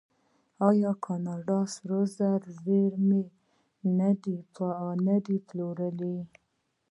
آیا کاناډا د سرو زرو زیرمې نه دي پلورلي؟